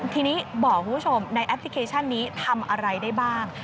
ทีนี้บอกคุณผู้ชมในแอปพลิเคชันนี้ทำอะไรได้บ้าง